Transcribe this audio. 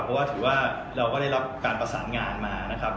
เพราะว่าถือว่าเราก็ได้รับการประสานงานมานะครับ